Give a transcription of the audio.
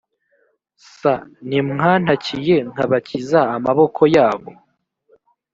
s ntimwantakiye nkabakiza amaboko yabo